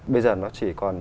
bây giờ nó chỉ còn